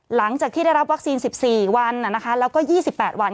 หลังจากที่ได้รับวัคซีน๑๔วันแล้วก็๒๘วัน